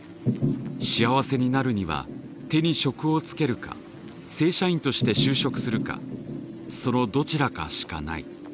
幸せになるには手に職をつけるか正社員として就職するかそのどちらかしかない。